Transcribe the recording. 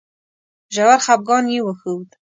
ژور خپګان یې وښود.